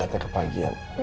cepat hati ke pagi ya